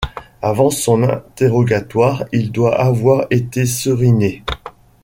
Avant son interrogatoire il doit avoir été seriné.